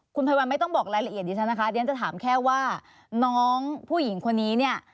คุณภัยวันไม่ต้องบอกรายละเอียดดิฉันนะคะเดี๋ยวฉันจะถามแค่ว่าน้องผู้หญิงคนนี้เนี่ย